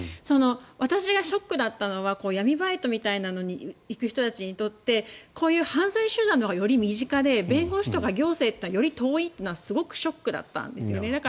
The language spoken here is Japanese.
私がショックだったのは闇バイトに行くような人たちってこういう犯罪集団のほうがより身近で弁護士とか行政がより遠いというのはすごくショックだったんですね。